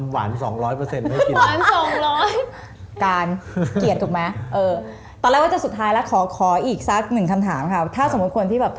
หยิ่งเลยใช่ไหมคะ